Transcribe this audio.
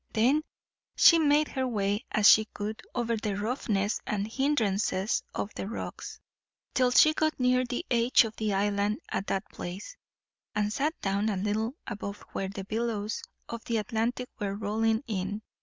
Then she made her way, as she could, over the roughnesses and hindrances of the rocks, till she got near the edge of the island at that place; and sat down a little above where the billows of the Atlantic were rolling in.